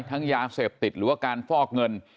ยาเสพติดหรือว่าการฟอกเงิน